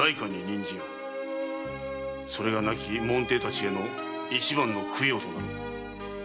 それが亡き門弟達への一番の供養となろう。